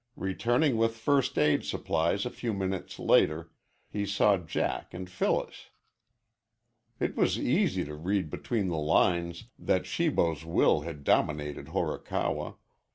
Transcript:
Returning with first aid supplies a few minutes later, he saw Jack and Phyllis. It was easy to read between the lines that Shibo's will had dominated Horikawa.